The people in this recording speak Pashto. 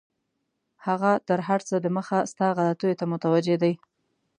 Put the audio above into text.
هغه تر هر څه دمخه ستا غلطیو ته متوجه دی.